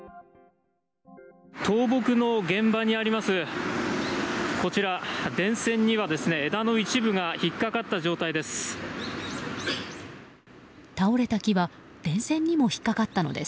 倒木の現場にあります